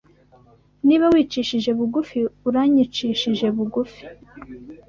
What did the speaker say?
'Niba wicishije bugufi, uranyicishije bugufi.